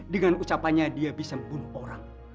dengan ucapannya dia bisa membunuh orang